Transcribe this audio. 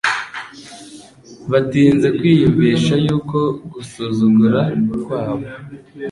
Batinze kwiyumvisha yuko gusuzugura kwabo